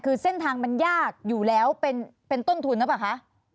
คือเส้นทางมันยากอยู่แล้วเป็นต้นทุนหรือเปล่าคะ